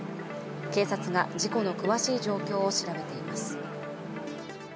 警察が事故の詳しい状況を調べています。